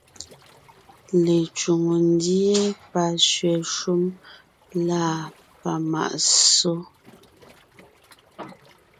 Lecwòŋo ndíe, pasẅɛ̀ shúm lâ pamàʼ ssó;